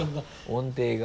音程が。